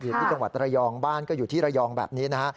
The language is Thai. ที่จังหวัดระยองบ้านก็อยู่ที่ระยองแบบนี้นะฮะ